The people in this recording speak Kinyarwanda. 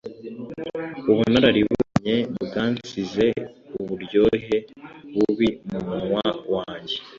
Ubunararibonye bwansize uburyohe bubi mumunwa wanjye